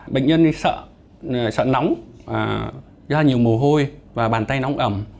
bệnh nhân sợ sợ nóng ra nhiều mồ hôi và bàn tay nóng ẩm